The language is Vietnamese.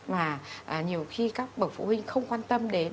và nhiều khi các bậc phụ huynh không quan tâm đến